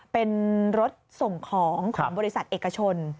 เป็นรถส่งของของบริษัทเอกชน